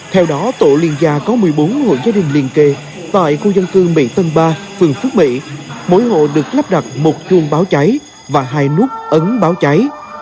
theo đó tổ liên gia có một mươi bốn hộ gia đình liên kề tại khu dân cư mỹ tân ba phường phước mỹ mỗi hộ được lắp đặt một chuông báo cháy và hai nút ấn báo cháy